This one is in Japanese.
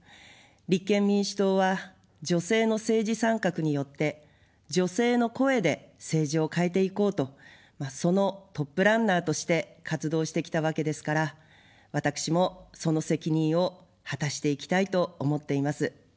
立憲民主党は女性の政治参画によって女性の声で政治を変えていこうと、そのトップランナーとして活動してきたわけですから、私もその責任を果たしていきたいと思っています。